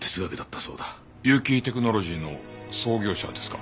結城テクノロジーの創業者ですか？